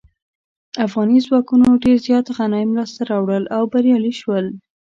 افغاني ځواکونو ډیر زیات غنایم لاسته راوړل او بریالي شول.